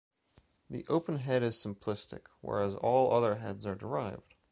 The open head is simplistic, whereas all the other heads are derived.